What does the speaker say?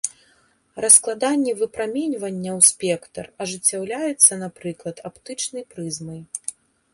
Раскладанне выпраменьвання ў спектр ажыццяўляецца, напрыклад, аптычнай прызмай.